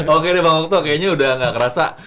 oke deh pak wokto kayaknya udah gak kerasa